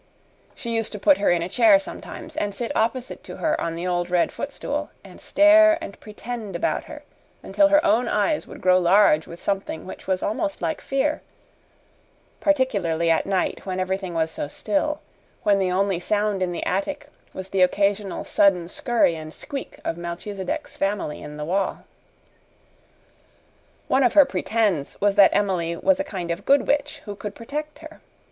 She used to put her in a chair sometimes and sit opposite to her on the old red footstool, and stare and pretend about her until her own eyes would grow large with something which was almost like fear particularly at night when everything was so still, when the only sound in the attic was the occasional sudden scurry and squeak of Melchisedec's family in the wall. One of her "pretends" was that Emily was a kind of good witch who could protect her.